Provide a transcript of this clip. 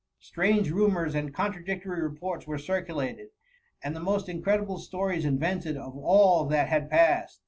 Strange rumours and contradictory reports were circulated, and the most incredible stories invented of all that had passed.